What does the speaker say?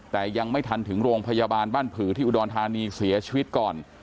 แต่ยังไม่ทันถึงโรงพยาบาลบ้านผือที่อุดรธานีเสียชีวิตก่อน